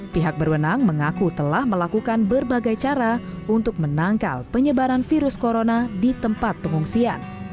pihak berwenang mengaku telah melakukan berbagai cara untuk menangkal penyebaran virus corona di tempat pengungsian